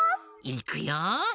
いくよ！